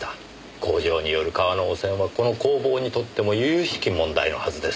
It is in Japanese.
工場による川の汚染はこの工房にとってもゆゆしき問題のはずです。